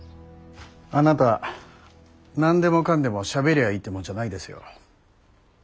あなた何でもかんでもしゃべりゃいいってもんじゃないですよ。